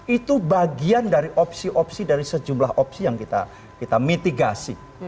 itu bagian dari opsi opsi dari sejumlah opsi yang kita mitigasi